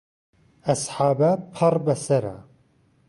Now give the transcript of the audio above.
ئهسحابه پەڕ به سەره